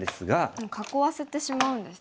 もう囲わせてしまうんですね。